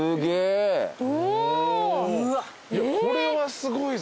これはすごいぞ。